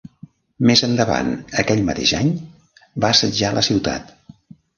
Més endavant aquell mateix any, va assetjar la ciutat.